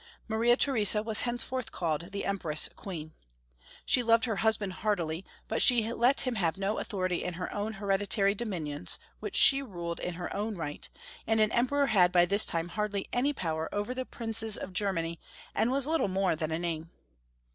Maria Theresa was henceforth called the Empress Queen. She loved her husband heartily, but she let him have no authority in her own hereditary dominions, which she ruled in her own right, and an Emperor had by this time hardly any power over the princes of Germany, and was little more than a name.